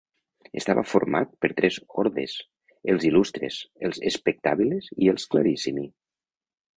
Estava format per tres ordes, els "illustres", els "spectabiles" i els "clarissimi".